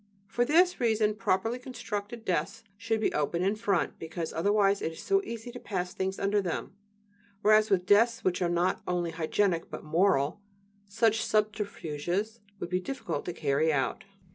For this reason properly constructed desks should be open in front, because otherwise it is so easy to pass things under them; whereas with desks which are not only hygienic but "moral," such subterfuges would be difficult to carry out.